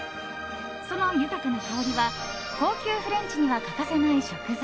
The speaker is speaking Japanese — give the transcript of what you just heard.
その豊かな香りは高級フレンチには欠かせない食材。